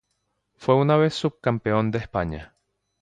Fue una vez subcampeón de España.